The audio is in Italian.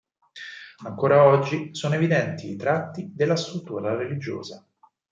Ancora oggi sono evidenti i tratti della struttura religiosa.